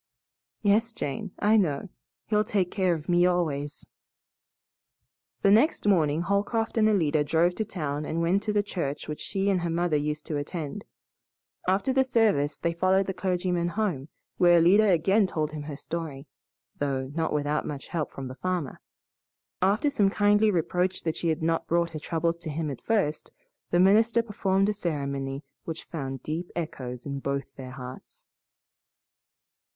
"Yes, Jane, I know. He'll take care of me always." The next morning Holcroft and Alida drove to town and went to the church which she and her mother used to attend. After the service they followed the clergyman home, where Alida again told him her story, though not without much help from the farmer. After some kindly reproach that she had not brought her troubles to him at first, the minister performed a ceremony which found deep echoes in both their hearts.